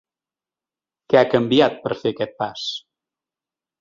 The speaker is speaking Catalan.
Què ha canviat per fer aquest pas?